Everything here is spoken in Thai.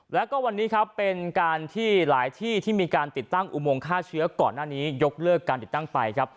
แล้วก็วันนี้ครับเป็นการที่หลายที่ที่มีการติดตั้งอุโมงฆ่าเชื้อก่อนหน้านี้ยกเลิกการติดตั้งไปครับ